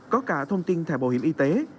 có cả thông tin thẻ bảo hiểm y tế